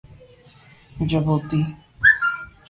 Djibouti